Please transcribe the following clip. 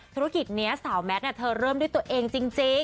ธุรกิจนี้สาวแมทเธอเริ่มด้วยตัวเองจริง